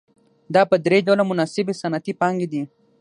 دا په درې ډوله مناسبې صنعتي پانګې دي